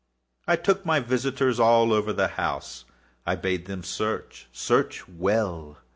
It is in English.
I took my visitors all over the house. I bade them search—search well.